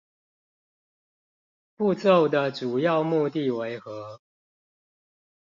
步驟的主要目的為何？